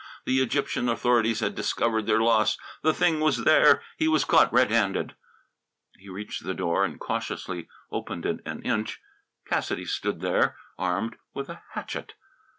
The Egyptian authorities had discovered their loss. The thing was there. He was caught red handed. He reached the door and cautiously opened it an inch. Cassidy stood there, armed with a hatchet.